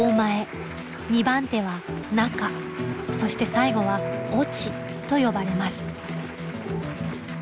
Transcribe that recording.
２番手は「中」そして最後は「落」と呼ばれます。